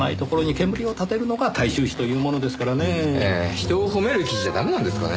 人を褒める記事じゃ駄目なんですかね？